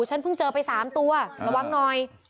ฉันเพิ่งเจอไป๓ตัวระวังหน่อย